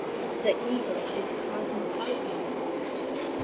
The eagle is cosmopolitan.